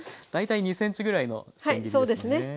大体２ｃｍぐらいのせん切りですね。